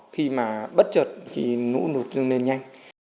khi mà bất chợt thì lũ lụt dâng lên nhanh